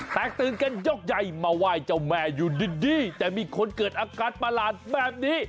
แตกตืนแก่นยกใยมว่าว่าเจ้าแม่ดิ้ดิแต่มีคนเกิดอากาศมาหล่านแบบนี้